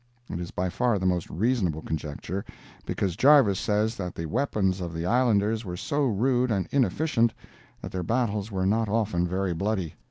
It is by far the most reasonable conjecture, because Jarves says that the weapons of the Islanders were so rude and inefficient that their battles were not often very bloody.